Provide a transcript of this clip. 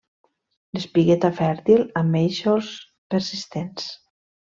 L'espigueta fèrtil amb eixos persistents.